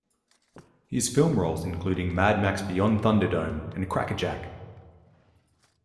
His film roles including Mad Max Beyond Thunderdome and Crackerjack.